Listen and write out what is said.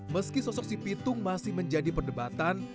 meski sosok si pitung masih menjadi perdebatan